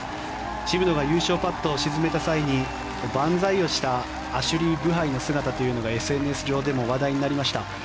渋野が優勝パットを沈めた際に万歳をしたアシュリー・ブハイの姿というのがＳＮＳ上でも話題になりました。